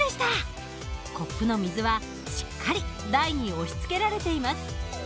コップの水はしっかり台に押しつけられています。